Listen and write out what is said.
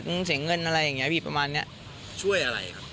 เสียเงินอะไรอย่างเงี้พี่ประมาณเนี้ยช่วยอะไรครับ